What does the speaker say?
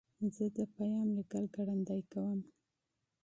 زه د پیام لیکل ګړندي کوم.